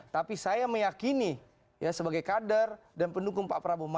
tapi saya meyakini sebagai kader dan pendukung pak prabowo